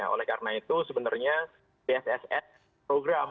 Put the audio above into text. oleh karena itu sebenarnya bssn program